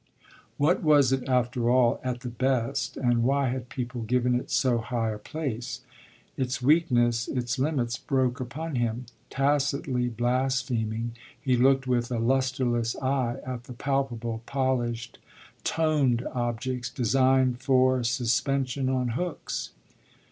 What was it after all at the best and why had people given it so high a place? Its weakness, its limits broke upon him; tacitly blaspheming he looked with a lustreless eye at the palpable, polished, "toned" objects designed for suspension on hooks.